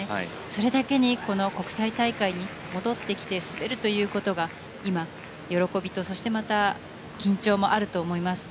それだけに、国際大会に戻ってきて滑るということが今、喜びとそして緊張もあると思います。